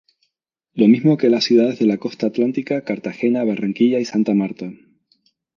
Lo mismo que las ciudades de la Costa Atlántica, Cartagena, Barranquilla y Santa Marta.